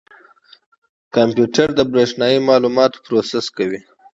کمپیوټر د برېښنایي معلوماتو پروسس کوي.